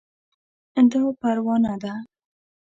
دا پروانه ده